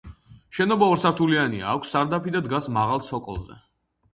შენობა ორსართულიანია, აქვს სარდაფი და დგას მაღალ ცოკოლზე.